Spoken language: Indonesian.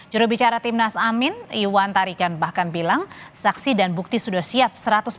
jurubicara timnas amin iwan tarikan bahkan bilang saksi dan bukti sudah siap